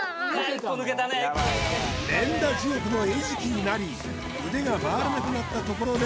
腕が！の餌食になり腕が回らなくなったところで